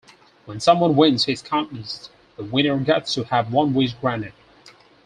When someone wins his contest, the winner gets to have one wish granted.